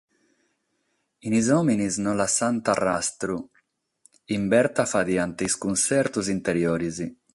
In sos òmines non lassaiant rastru; in Berta faghiant iscunsertos interiores.